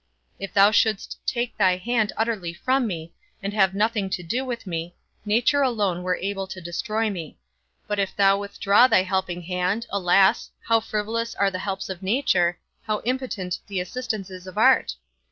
If thou shouldst take thy hand utterly from me, and have nothing to do with me, nature alone were able to destroy me; but if thou withdraw thy helping hand, alas, how frivolous are the helps of nature, how impotent the assistances of art?